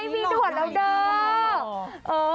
มีด่วนแล้วเดอร์